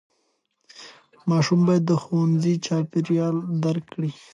ماشوم باید د ښوونځي چاپېریال درک کړي.